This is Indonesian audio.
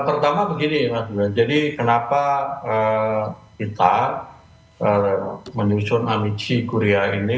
pertama begini mas jadi kenapa kita menyusun amisi korea ini